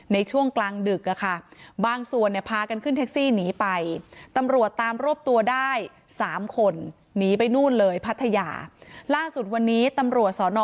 ในช่วงกลางดึกอะค่ะบางส่วนเนี่ยพากันขึ้นแท็กซี่หนีไปตำรวจตามรวบตัวได้๓คนหนีไปนู่นเลยพัทยาล่าสุดวันนี้ตำรวจสอนอ